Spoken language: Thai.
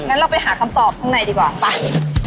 งั้นเราไปหาคำตอบข้างในดีกว่าไป